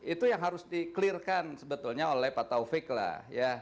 itu yang harus di clearkan sebetulnya oleh pak taufik lah